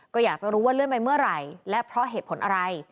ก็อยากจะรู้ว่าเลื่อนไปเมื่อไหร่และเพราะเหตุผลอะไร